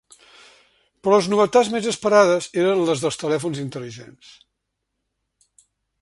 Però les novetats més esperades eren les dels telèfons intel·ligents.